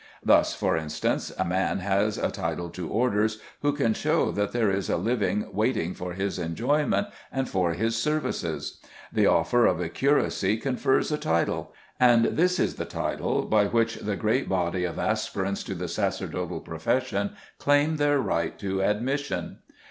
Thus, for instance, a man has a title to orders who can show that there is a living waiting for his enjoyment and for his services. The offer of a curacy confers a title, and this is the title by which the great body of aspirants to the sacerdotal profession claim their right to admission.